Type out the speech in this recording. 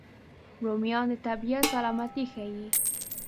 رومیان د طبیعت سلامتي ښيي